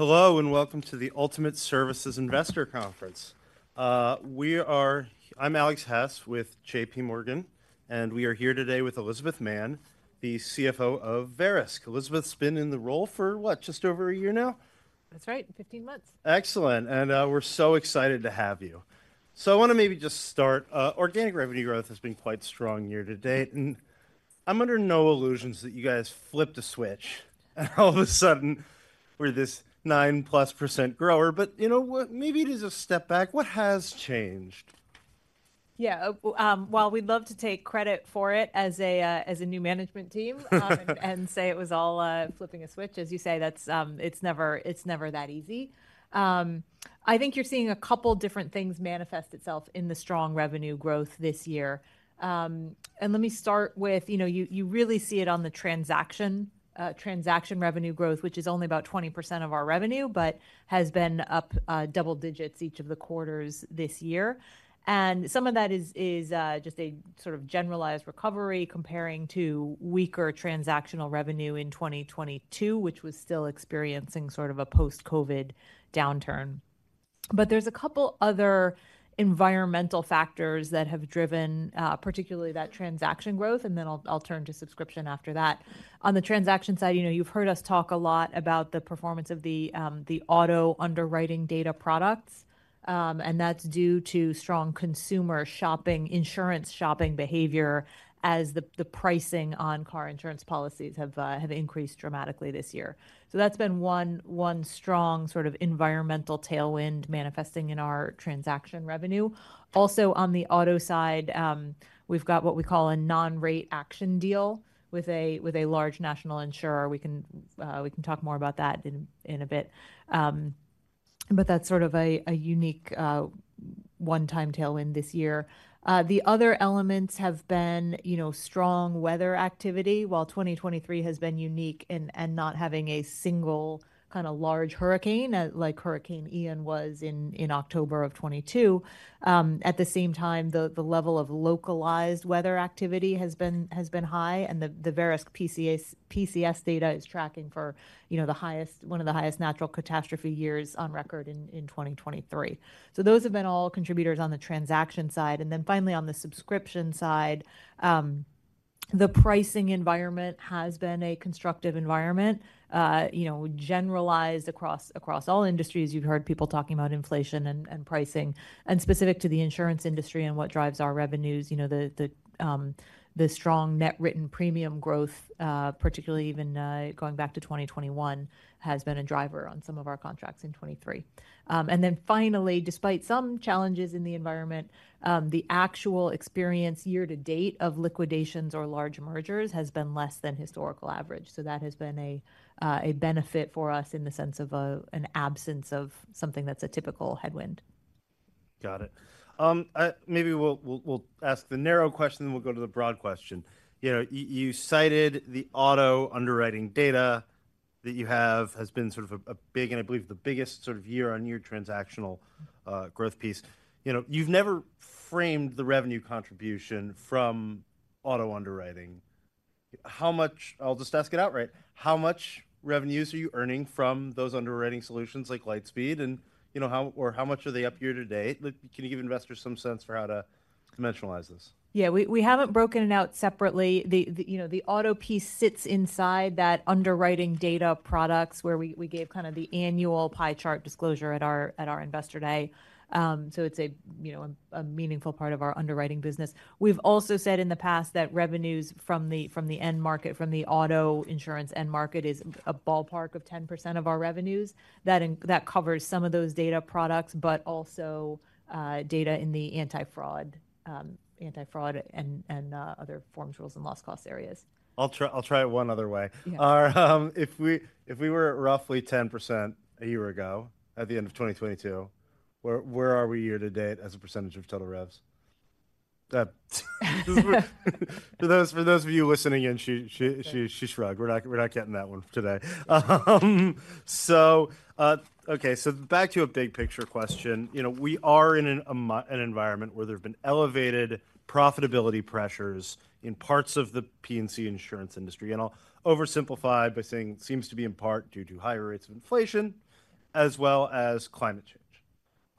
Hello, and welcome to the Ultimate Services Investor Conference. I'm Alex Hess with J.P. Morgan, and we are here today with Elizabeth Mann, the CFO of Verisk. Elizabeth's been in the role for what? Just over a year now? That's right, 15 months. Excellent, and we're so excited to have you. So I want to maybe just start. Organic revenue growth has been quite strong year to date, and I'm under no illusions that you guys flipped a switch, and all of a sudden, we're this 9%+ grower. But you know what? Maybe it is a step back. What has changed? Yeah. While we'd love to take credit for it as a new management team and say it was all flipping a switch, as you say, that's, it's never, it's never that easy. I think you're seeing a couple different things manifest itself in the strong revenue growth this year. And let me start with, you know, you really see it on the transaction revenue growth, which is only about 20% of our revenue, but has been up double digits each of the quarters this year. And some of that is just a sort of generalized recovery comparing to weaker transactional revenue in 2022, which was still experiencing sort of a post-COVID downturn. But there's a couple other environmental factors that have driven, particularly that transaction growth, and then I'll turn to subscription after that. On the transaction side, you know, you've heard us talk a lot about the performance of the auto underwriting data products, and that's due to strong consumer shopping, insurance shopping behavior as the pricing on car insurance policies have increased dramatically this year. So that's been one strong sort of environmental tailwind manifesting in our transaction revenue. Also, on the auto side, we've got what we call a non-rate action deal with a large national insurer. We can talk more about that in a bit. But that's sort of a unique one-time tailwind this year. The other elements have been, you know, strong weather activity. While 2023 has been unique in not having a single kind of large hurricane, like Hurricane Ian was in October of 2022. At the same time, the level of localized weather activity has been high, and the Verisk PCS data is tracking for, you know, the highest-one of the highest natural catastrophe years on record in 2023. So those have been all contributors on the transaction side. And then finally, on the subscription side, the pricing environment has been a constructive environment. You know, generalized across all industries, you've heard people talking about inflation and pricing. Specific to the insurance industry and what drives our revenues, you know, the strong net written premium growth, particularly even, going back to 2021, has been a driver on some of our contracts in 2023. Then finally, despite some challenges in the environment, the actual experience year to date of liquidations or large mergers has been less than historical average, so that has been a benefit for us in the sense of an absence of something that's a typical headwind. Got it. Maybe we'll ask the narrow question, then we'll go to the broad question. You know, you cited the auto underwriting data that you have has been sort of a big, and I believe the biggest sort of year-on-year transactional growth piece. You know, you've never framed the revenue contribution from auto underwriting. How much, I'll just ask it outright, how much revenues are you earning from those underwriting solutions, like LightSpeed? And you know, how or how much are they up year to date? Can you give investors some sense for how to conventionalize this? Yeah, we haven't broken it out separately. The, you know, the auto piece sits inside that underwriting data products where we gave kind of the annual pie chart disclosure at our Investor Day. So it's a, you know, a meaningful part of our underwriting business. We've also said in the past that revenues from the end market, from the auto insurance end market, is a ballpark of 10% of our revenues. That covers some of those data products, but also data in the anti-fraud, anti-fraud and other forms, rules, and loss cost areas. I'll try, I'll try it one other way. Yeah. If we were at roughly 10% a year ago, at the end of 2022, where are we year to date as a percentage of total revs? For those of you listening in, she shrugged. We're not getting that one today. Okay, so back to a big picture question. You know, we are in an environment where there have been elevated profitability pressures in parts of the P&C insurance industry, and I'll oversimplify by saying it seems to be in part due to higher rates of inflation, as well as climate change.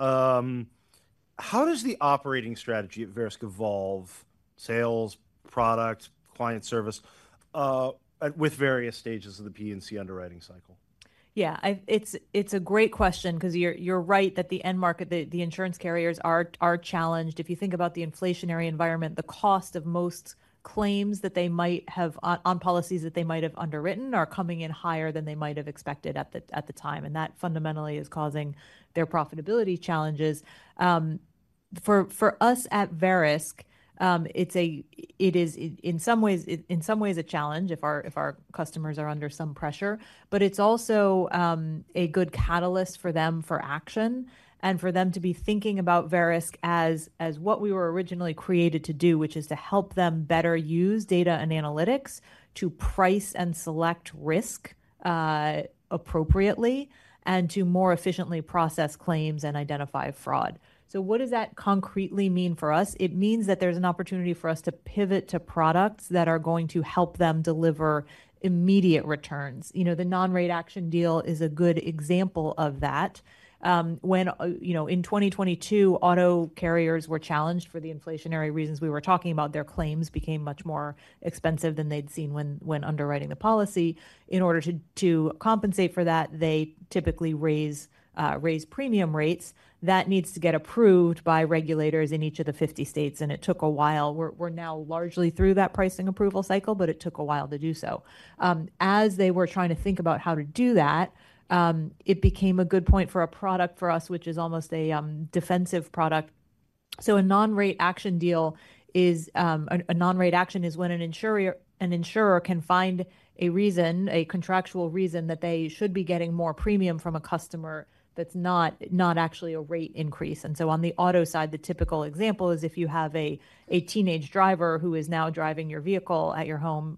How does the operating strategy at Verisk evolve sales, product, client service at with various stages of the P&C underwriting cycle? Yeah, it's a great question 'cause you're right that the end market, the insurance carriers are challenged. If you think about the inflationary environment, the cost of most claims that they might have on policies that they might have underwritten are coming in higher than they might have expected at the time, and that fundamentally is causing their profitability challenges. For us at Verisk, it's in some ways a challenge if our customers are under some pressure. But it's also a good catalyst for them for action and for them to be thinking about Verisk as what we were originally created to do, which is to help them better use data and analytics to price and select risk appropriately, and to more efficiently process claims and identify fraud. So what does that concretely mean for us? It means that there's an opportunity for us to pivot to products that are going to help them deliver immediate returns. You know, the non-rate action deal is a good example of that. When, you know, in 2022, auto carriers were challenged for the inflationary reasons we were talking about. Their claims became much more expensive than they'd seen when underwriting the policy. In order to compensate for that, they typically raise premium rates. That needs to get approved by regulators in each of the 50 states, and it took a while. We're now largely through that pricing approval cycle, but it took a while to do so. As they were trying to think about how to do that, it became a good point for a product for us, which is almost a defensive product. So a non-rate action deal is a non-rate action is when an insurer can find a reason, a contractual reason, that they should be getting more premium from a customer that's not actually a rate increase. And so on the auto side, the typical example is if you have a teenage driver who is now driving your vehicle at your home,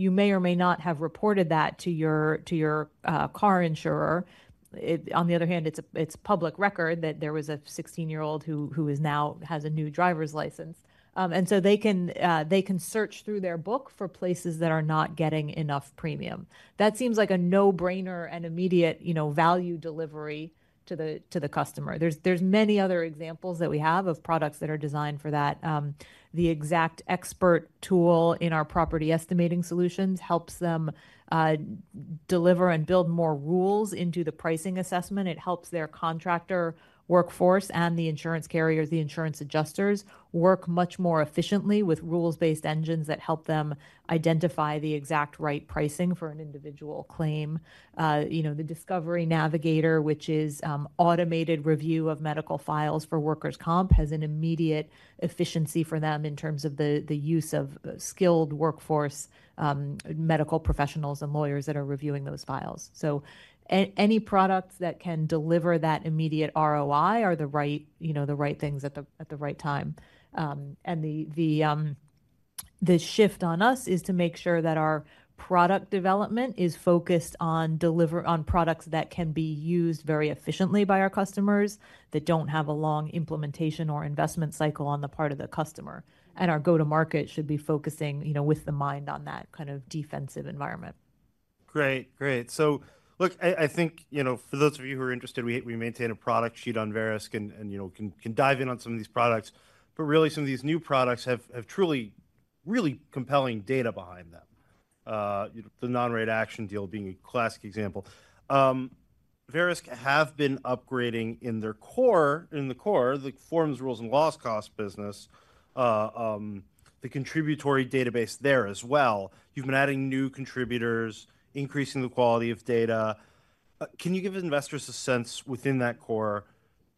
you may or may not have reported that to your car insurer. On the other hand, it's public record that there was a 16-year-old who is now has a new driver's license. And so they can, they can search through their book for places that are not getting enough premium. That seems like a no-brainer and immediate, you know, value delivery to the, to the customer. There's many other examples that we have of products that are designed for that. The XactXpert tool in our property estimating solutions helps them, deliver and build more rules into the pricing assessment. It helps their contractor workforce and the insurance carriers, the insurance adjusters, work much more efficiently with rules-based engines that help them identify the Xact right pricing for an individual claim. You know, the Discovery Navigator, which is automated review of medical files for workers' comp, has an immediate efficiency for them in terms of the use of skilled workforce, medical professionals and lawyers that are reviewing those files. So any products that can deliver that immediate ROI are the right, you know, the right things at the right time. And the shift on us is to make sure that our product development is focused on delivering products that can be used very efficiently by our customers, that don't have a long implementation or investment cycle on the part of the customer. And our go-to-market should be focusing, you know, with the mind on that kind of defensive environment. Great. Great. So look, I, I think, you know, for those of you who are interested, we, we maintain a product sheet on Verisk, and, and, you know, can, can dive in on some of these products. But really, some of these new products have, have truly really compelling data behind them, the non-rate action deal being a classic example. Verisk have been upgrading in their core, in the core, the forms, rules, and loss cost business, the contributory database there as well. You've been adding new contributors, increasing the quality of data. Can you give investors a sense, within that core,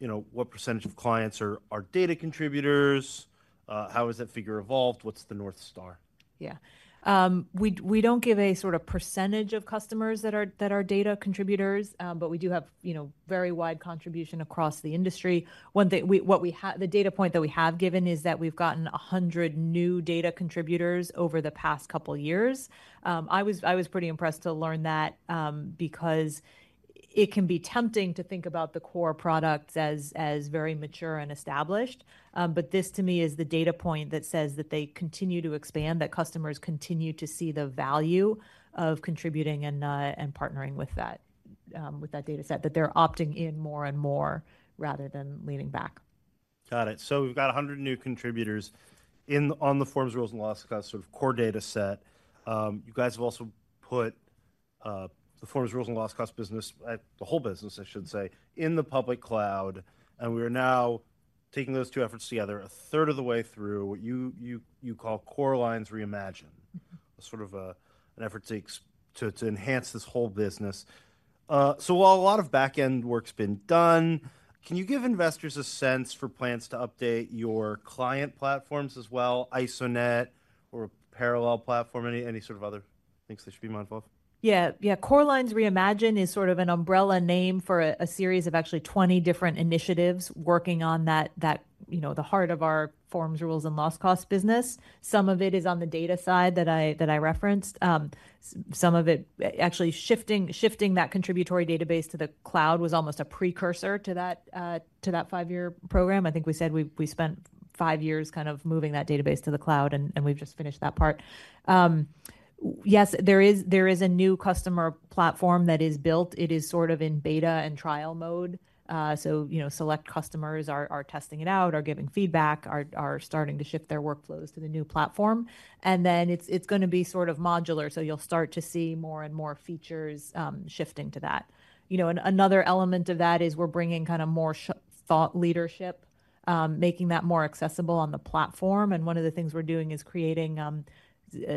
you know, what percentage of clients are, are data contributors? How has that figure evolved? What's the North Star? Yeah. We don't give a sort of percentage of customers that are data contributors, but we do have, you know, very wide contribution across the industry. One thing, the data point that we have given is that we've gotten 100 new data contributors over the past couple years. I was pretty impressed to learn that, because it can be tempting to think about the core products as very mature and established. But this, to me, is the data point that says that they continue to expand, that customers continue to see the value of contributing and partnering with that data set, that they're opting in more and more rather than leaning back. Got it. So we've got 100 new contributors on the forms, rules, and loss cost sort of core data set. You guys have also put the forms, rules, and loss cost business, the whole business, I should say, in the public cloud, and we are now taking those two efforts together, a third of the way through what you call Core Lines Reimagined—sort of a, an effort to enhance this whole business. So while a lot of back-end work's been done, can you give investors a sense for plans to update your client platforms as well, ISOnet or parallel platform? Any sort of other things they should be mindful of? Yeah, yeah. Core Lines Reimagined is sort of an umbrella name for a series of actually 20 different initiatives working on that, that, you know, the heart of our forms, rules, and loss cost business. Some of it is on the data side that I referenced. Some of it actually shifting that contributory database to the cloud was almost a precursor to that, to that five-year program. I think we said we spent five years kind of moving that database to the cloud, and we've just finished that part. Yes, there is a new customer platform that is built. It is sort of in beta and trial mode, so you know, select customers are testing it out, are giving feedback, are starting to shift their workflows to the new platform. And then it's gonna be sort of modular, so you'll start to see more and more features shifting to that. You know, and another element of that is we're bringing kind of more thought leadership making that more accessible on the platform. And one of the things we're doing is creating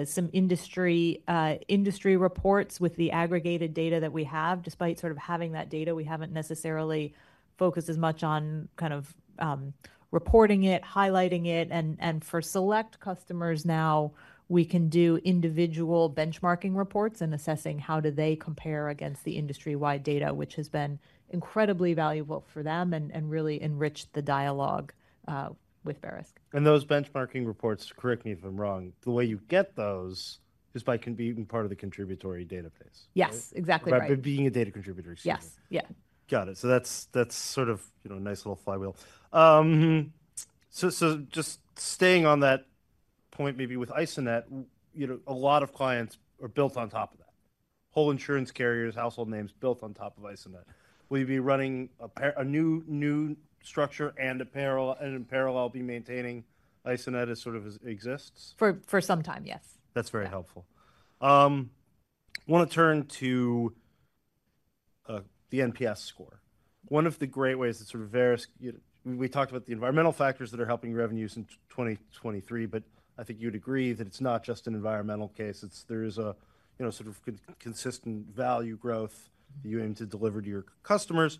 some industry reports with the aggregated data that we have. Despite sort of having that data, we haven't necessarily focused as much on kind of reporting it, highlighting it. And for select customers now, we can do individual benchmarking reports and assessing how do they compare against the industry-wide data, which has been incredibly valuable for them and really enriched the dialogue with Verisk. Those benchmarking reports, correct me if I'm wrong, the way you get those is by being part of the contributory database. Yes, exactly right. By being a data contributor. Yes. Yeah. Got it. So that's, that's sort of, you know, a nice little flywheel. So, just staying on that point, maybe with ISOnet, you know, a lot of clients are built on top of that. Whole insurance carriers, household names built on top of ISOnet. Will you be running a parallel structure and in parallel, be maintaining ISOnet as sort of as exists? For some time, yes. That's very helpful. I want to turn to the NPS score. One of the great ways that sort of Verisk—you know, we talked about the environmental factors that are helping revenues in 2023, but I think you'd agree that it's not just an environmental case, it's—there is a, you know, sort of consistent value growth you aim to deliver to your customers.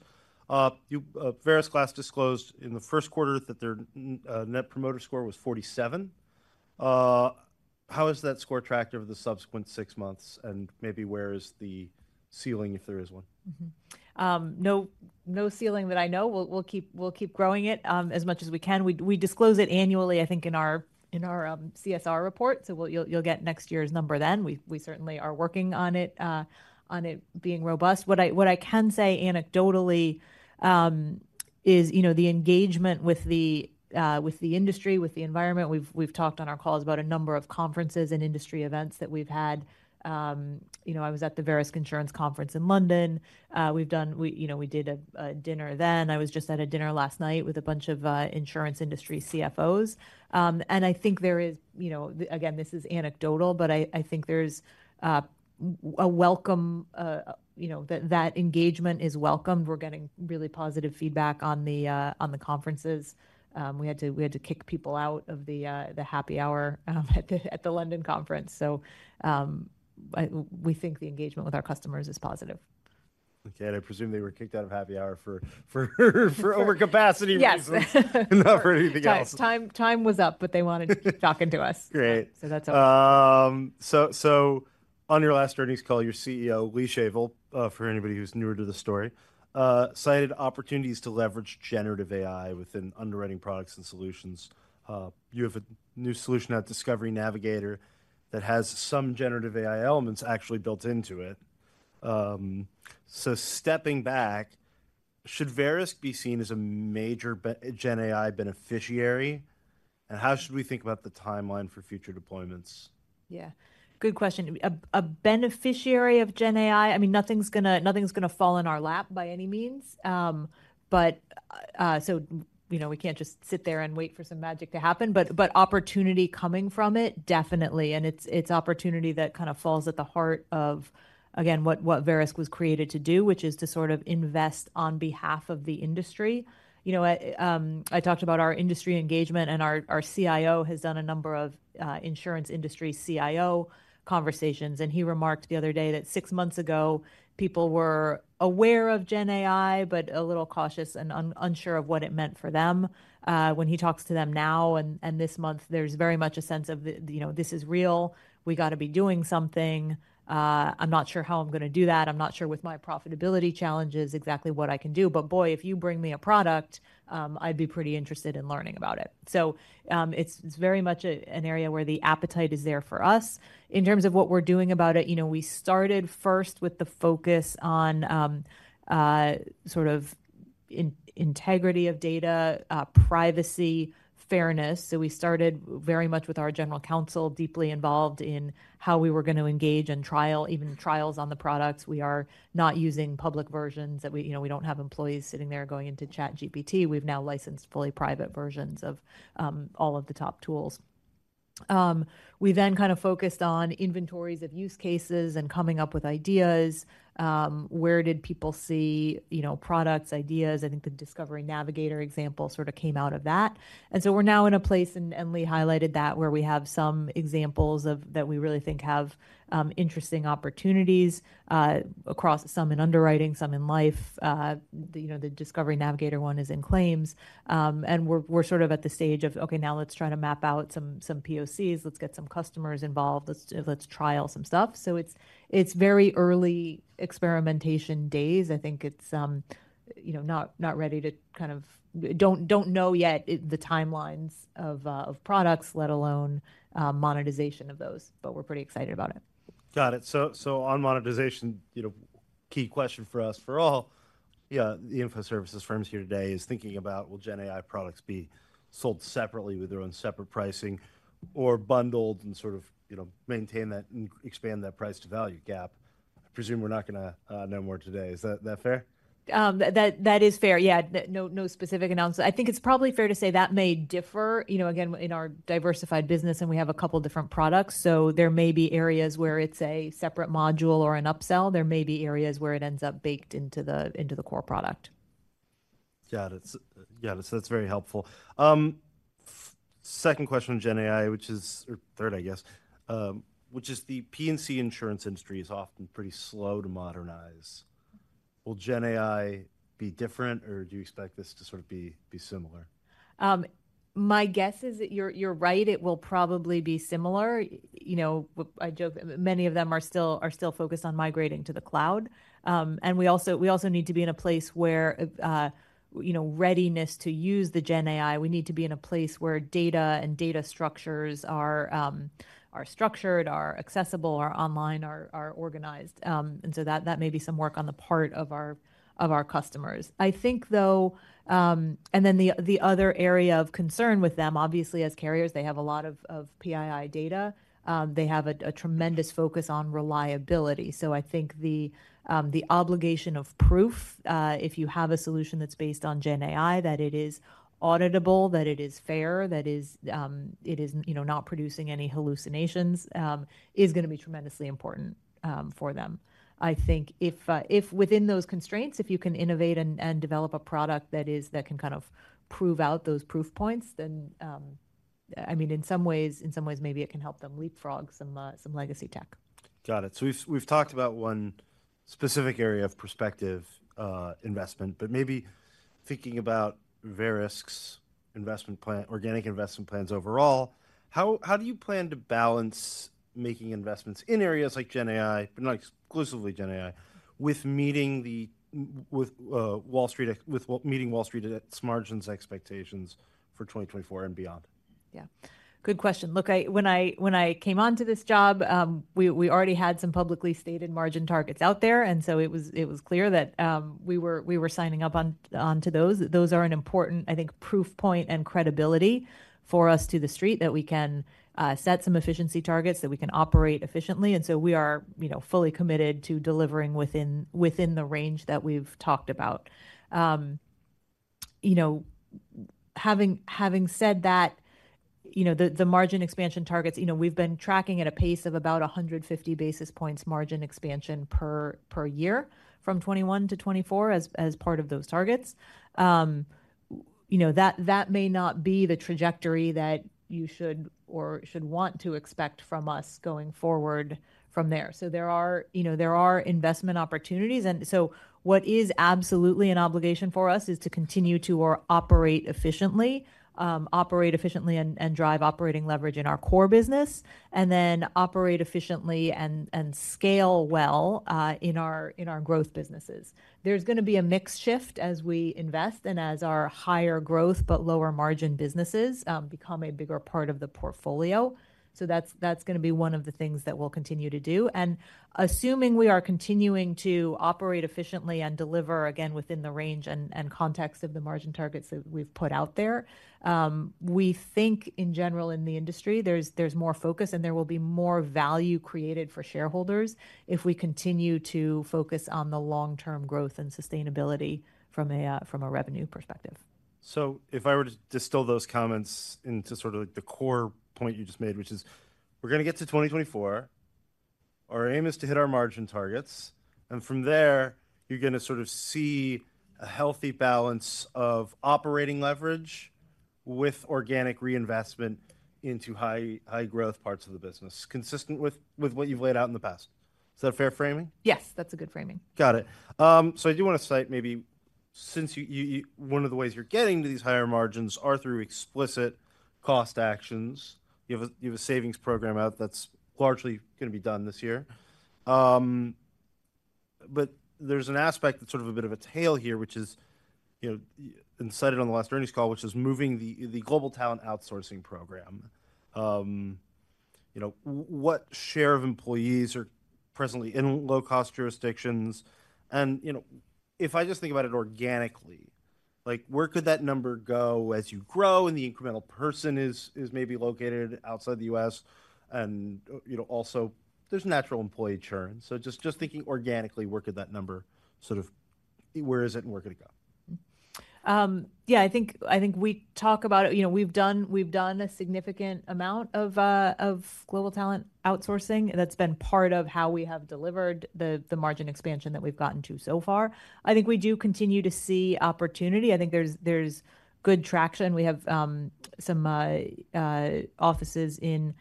Verisk last disclosed in the first quarter that their Net Promoter Score was 47. How has that score tracked over the subsequent six months, and maybe where is the ceiling, if there is one? No ceiling that I know. We'll keep growing it as much as we can. We disclose it annually, I think, in our CSR report, so we'll, you'll get next year's number then. We certainly are working on it being robust. What I can say anecdotally is, you know, the engagement with the industry, with the environment, we've talked on our calls about a number of conferences and industry events that we've had. You know, I was at the Verisk Insurance Conference in London. We've done, we, you know, we did a dinner then. I was just at a dinner last night with a bunch of insurance industry CFOs. And I think there is... You know, again, this is anecdotal, but I think there's a welcome, you know, that engagement is welcomed. We're getting really positive feedback on the conferences. We had to kick people out of the happy hour at the London conference. So, we think the engagement with our customers is positive. Okay, and I presume they were kicked out of happy hour for overcapacity reasons- Yes. - not for anything else. Time, time was up, but they wanted to keep talking to us. Great. That's all. So on your last earnings call, your CEO, Lee Shavel, for anybody who's newer to the story, cited opportunities to leverage Generative AI within underwriting products and solutions. You have a new solution at Discovery Navigator that has some Generative AI elements actually built into it. So stepping back, should Verisk be seen as a major Gen AI beneficiary? And how should we think about the timeline for future deployments? Yeah. Good question. A beneficiary of Gen AI, I mean, nothing's gonna, nothing's gonna fall in our lap by any means. But, so, you know, we can't just sit there and wait for some magic to happen. But, but opportunity coming from it, definitely, and it's, it's opportunity that kind of falls at the heart of, again, what, what Verisk was created to do, which is to sort of invest on behalf of the industry. You know, I talked about our industry engagement, and our, our CIO has done a number of, insurance industry CIO conversations, and he remarked the other day that six months ago, people were aware of gen AI, but a little cautious and unsure of what it meant for them. When he talks to them now and this month, there's very much a sense of the, you know, "This is real. We got to be doing something. I'm not sure how I'm gonna do that. I'm not sure with my profitability challenges exactly what I can do. But boy, if you bring me a product, I'd be pretty interested in learning about it." So, it's very much an area where the appetite is there for us. In terms of what we're doing about it, you know, we started first with the focus on, sort of integrity of data, privacy, fairness. So we started very much with our general counsel, deeply involved in how we were going to engage in trial, even trials on the products. We are not using public versions that we—you know, we don't have employees sitting there going into ChatGPT. We've now licensed fully private versions of all of the top tools. We then kind of focused on inventories of use cases and coming up with ideas. Where did people see, you know, products, ideas? I think the Discovery Navigator example sort of came out of that. And so we're now in a place, and Lee highlighted that, where we have some examples of that we really think have interesting opportunities across some in underwriting, some in life. You know, the Discovery Navigator one is in claims. And we're sort of at the stage of, okay, now let's try to map out some POCs, let's get some customers involved, let's trial some stuff. So it's very early experimentation days. I think it's, you know, not ready to kind of, we don't know yet the timelines of products, let alone, monetization of those, but we're pretty excited about it. Got it. So on monetization, you know, key question for us for all, yeah, the info services firms here today is thinking about will Gen AI products be sold separately with their own separate pricing or bundled and sort of, you know, maintain that and expand that price to value gap? I presume we're not gonna know more today. Is that fair? That is fair. Yeah, no specific announcement. I think it's probably fair to say that may differ, you know, again, in our diversified business, and we have a couple different products. So there may be areas where it's a separate module or an upsell. There may be areas where it ends up baked into the core product. Got it. So yeah, that's very helpful. Second question on Gen AI, which is, or third, I guess, which is the P&C insurance industry is often pretty slow to modernize. Will Gen AI be different, or do you expect this to sort of be, be similar? My guess is that you're, you're right, it will probably be similar. You know, I joke, many of them are still, are still focused on migrating to the cloud. And we also, we also need to be in a place where, you know, readiness to use the Gen AI, we need to be in a place where data and data structures are, are structured, are accessible, are online, are, are organized. And so that, that may be some work on the part of our, of our customers. I think, though. And then the, the other area of concern with them, obviously, as carriers, they have a lot of, of PII data. They have a, a tremendous focus on reliability. So I think the, the obligation of proof, if you have a solution that's based on Gen AI, that it is auditable, that it is fair, that is, it is, you know, not producing any hallucinations, is gonna be tremendously important, for them. I think if, if within those constraints, if you can innovate and, and develop a product that is- that can kind of prove out those proof points, then, I mean, in some ways, in some ways, maybe it can help them leapfrog some, some legacy tech. Got it. So we've talked about one specific area of prospective investment, but maybe thinking about Verisk's investment plan, organic investment plans overall, how do you plan to balance making investments in areas like Gen AI, but not exclusively Gen AI, with meeting Wall Street's margins expectations for 2024 and beyond? Yeah. Good question. Look, when I came onto this job, we already had some publicly stated margin targets out there, and so it was clear that we were signing up onto those. Those are an important, I think, proof point and credibility for us to the street, that we can set some efficiency targets, that we can operate efficiently. And so we are, you know, fully committed to delivering within the range that we've talked about. You know, having said that, you know, the margin expansion targets, you know, we've been tracking at a pace of about 150 basis points margin expansion per year from 2021-2024, as part of those targets. You know, that, that may not be the trajectory that you should or should want to expect from us going forward from there. So there are, you know, there are investment opportunities, and so what is absolutely an obligation for us is to continue to operate efficiently and drive operating leverage in our core business, and then operate efficiently and scale well in our growth businesses. There's gonna be a mix shift as we invest and as our higher growth but lower margin businesses become a bigger part of the portfolio. So that's gonna be one of the things that we'll continue to do. Assuming we are continuing to operate efficiently and deliver, again, within the range and context of the margin targets that we've put out there, we think, in general, in the industry, there's more focus and there will be more value created for shareholders if we continue to focus on the long-term growth and sustainability from a revenue perspective. If I were to distill those comments into sort of, like, the core point you just made, which is: We're gonna get to 2024, our aim is to hit our margin targets, and from there, you're gonna sort of see a healthy balance of operating leverage with organic reinvestment into high, high growth parts of the business, consistent with, with what you've laid out in the past. Is that a fair framing? Yes, that's a good framing. Got it. So I do want to cite maybe since you one of the ways you're getting to these higher margins are through explicit cost actions. You have a savings program out that's largely gonna be done this year. But there's an aspect that's sort of a bit of a tail here, which is, you know, and cited on the last earnings call, which is moving the global talent outsourcing program. You know, what share of employees are presently in low-cost jurisdictions? And, you know, if I just think about it organically, like, where could that number go as you grow and the incremental person is maybe located outside the U.S., and you know, also there's natural employee churn. So just thinking organically, where could that number sort of. Where is it, and where could it go? Yeah, I think, I think we talk about it. You know, we've done, we've done a significant amount of global talent outsourcing, and that's been part of how we have delivered the margin expansion that we've gotten to so far. I think we do continue to see opportunity. I think there's good traction. We have some offices in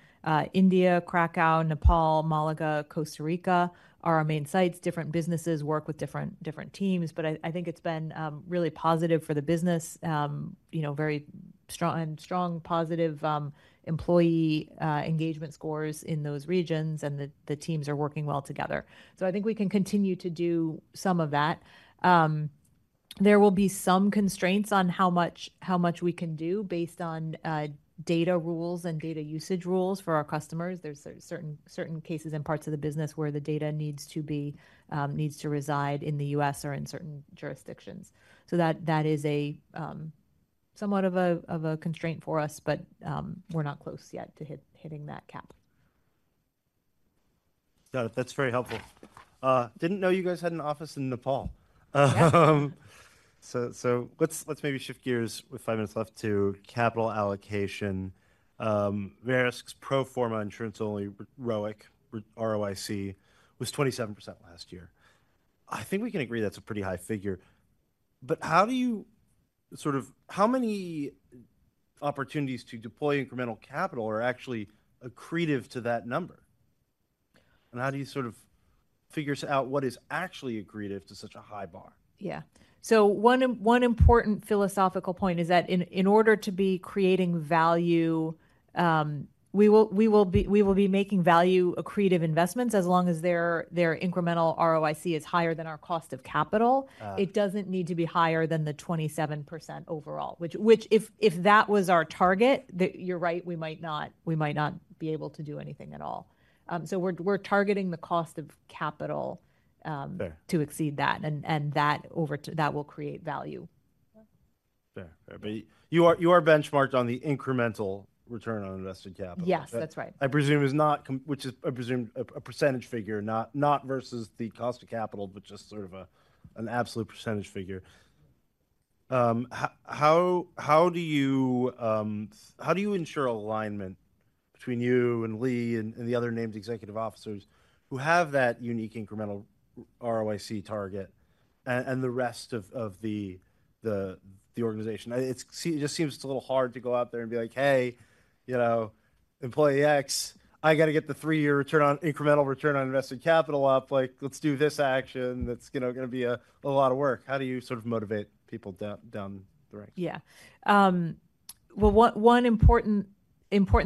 India, Krakow, Nepal, Malaga, Costa Rica, are our main sites. Different businesses work with different teams, but I think it's been really positive for the business. You know, very strong, and strong, positive employee engagement scores in those regions, and the teams are working well together. So I think we can continue to do some of that. There will be some constraints on how much, how much we can do based on data rules and data usage rules for our customers. There's certain cases and parts of the business where the data needs to reside in the U.S. or in certain jurisdictions. So that is somewhat of a constraint for us, but we're not close yet to hitting that cap. Got it. That's very helpful. Didn't know you guys had an office in Nepal. Yeah. So, let's maybe shift gears, with five minutes left, to capital allocation. Verisk's Pro Forma insurance-only ROIC, ROIC, was 27% last year. I think we can agree that's a pretty high figure. But how do you sort of, how many opportunities to deploy incremental capital are actually accretive to that number? And how do you sort of figure out what is actually accretive to such a high bar? Yeah. So one important philosophical point is that in order to be creating value, we will be making value-accretive investments as long as their incremental ROIC is higher than our cost of capital. Ah. It doesn't need to be higher than the 27% overall. Which, if that was our target, then you're right, we might not be able to do anything at all. So we're targeting the cost of capital, Fair ..to exceed that, and that over that will create value. Fair. Fair. But you are, you are benchmarked on the incremental return on invested capital? Yes, that's right. I presume it's not, which is, I presume, a percentage figure, not versus the cost of capital, but just sort of an absolute percentage figure. How do you ensure alignment between you and Lee and the other named executive officers who have that unique incremental ROIC target and the rest of the organization? It just seems it's a little hard to go out there and be like: "Hey, you know, employee X, I gotta get the three-year incremental return on invested capital up. Like, let's do this action that's, you know, gonna be a lot of work." How do you sort of motivate people down the right? Yeah. Well, one important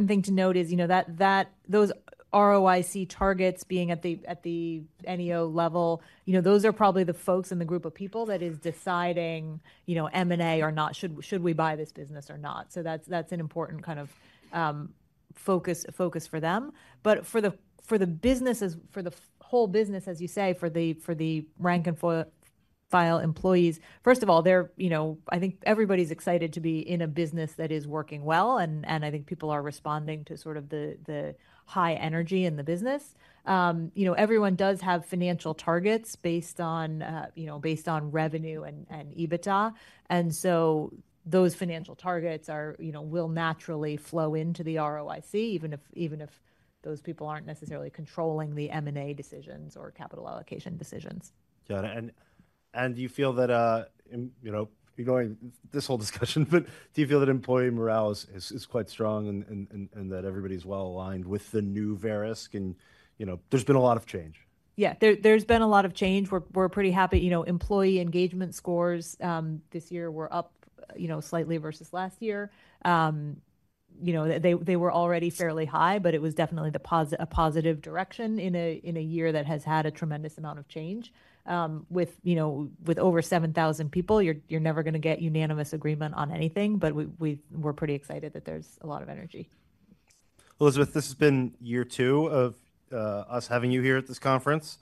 thing to note is, you know, that those ROIC targets being at the NEO level, you know, those are probably the folks in the group of people that is deciding, you know, M&A or not, should we buy this business or not? So that's an important kind of focus for them. But for the businesses. For the whole business, as you say, for the rank and file employees, first of all, they're, you know. I think everybody's excited to be in a business that is working well, and I think people are responding to sort of the high energy in the business. You know, everyone does have financial targets based on, you know, based on revenue and, and EBITDA, and so those financial targets are, you know, will naturally flow into the ROIC, even if, even if those people aren't necessarily controlling the M&A decisions or capital allocation decisions. Got it. And do you feel that, you know, you're going this whole discussion, but do you feel that employee morale is quite strong and that everybody's well aligned with the new Verisk and. You know, there's been a lot of change. Yeah, there's been a lot of change. We're pretty happy. You know, employee engagement scores this year were up, you know, slightly versus last year. You know, they were already fairly high, but it was definitely a positive direction in a year that has had a tremendous amount of change. With, you know, over 7,000 people, you're never gonna get unanimous agreement on anything, but we're pretty excited that there's a lot of energy. Elizabeth, this has been year two of us having you here at this conference,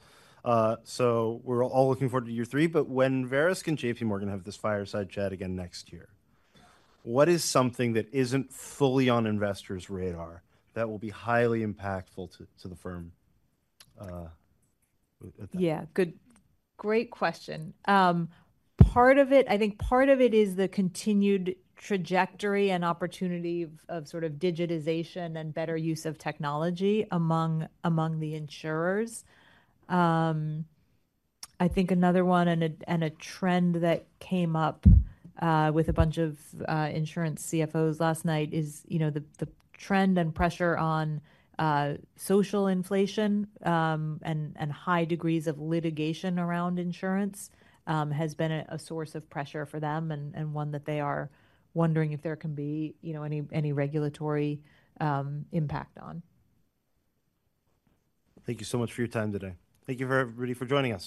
so we're all looking forward to year three, but when Verisk and J.P. Morgan have this fireside chat again next year, what is something that isn't fully on investors' radar that will be highly impactful to the firm at the- Yeah. Good, great question. Part of it - I think part of it is the continued trajectory and opportunity of sort of digitization and better use of technology among the insurers. I think another one, and a trend that came up with a bunch of insurance CFOs last night is, you know, the trend and pressure on social inflation, and high degrees of litigation around insurance has been a source of pressure for them, and one that they are wondering if there can be, you know, any regulatory impact on. Thank you so much for your time today. Thank you, everybody, for joining us.